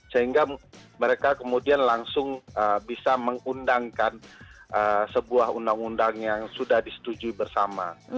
sehingga mereka kemudian langsung bisa mengundangkan sebuah undang undang yang sudah disetujui bersama